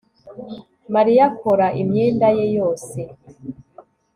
Mariya akora imyenda ye yose